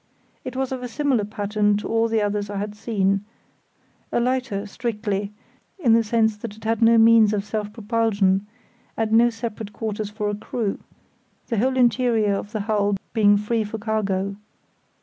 It was of a similar pattern to all the others I had seen; a lighter, strictly, in the sense that it had no means of self propulsion, and no separate quarters for a crew, the whole interior of the hull being free for cargo.